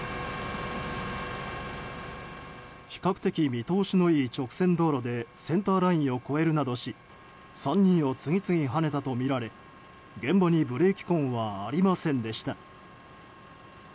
比較的見通しの良い道路でセンターラインを越えるなどし３人を次々はねたとみられ現場にブレーキ痕はありませんでした。